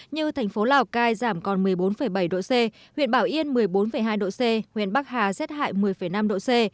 như thành phố lào cai giảm còn một mươi bốn bảy độ c huyện bảo yên một mươi bốn hai độ c huyện bắc hà rét hại một mươi năm độ c